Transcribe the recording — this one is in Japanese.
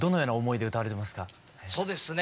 そうですね